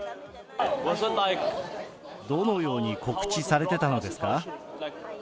どのように告知されてたのですか？